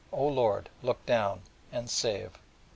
O Lord, look down, and save!